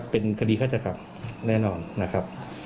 เป็นคดีฆาตกรรมแน่นอนนะครับ